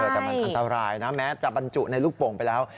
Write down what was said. แต่มันอันตรายนะแม้จะบรรจุในลูกโป่งไปแล้ว